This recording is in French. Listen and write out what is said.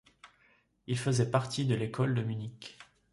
Il faisait partie de l'école de Munich.